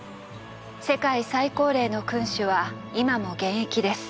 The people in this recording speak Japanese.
世界最高齢の君主は今も現役です。